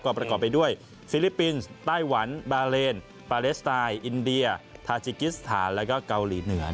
ประกอบไปด้วยฟิลิปปินส์ไต้หวันบาเลนปาเลสไตน์อินเดียทาจิกิสถานแล้วก็เกาหลีเหนือ